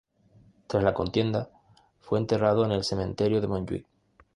Tras la contienda fue enterrado en el cementerio de Montjuïc.